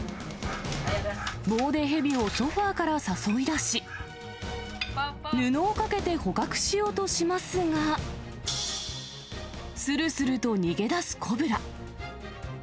棒で蛇をソファーから誘い出し、布をかけて捕獲しようとしますが、するすると逃げ出すコブラ。